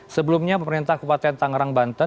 sebelumnya pemerintah kabupaten tangerang banten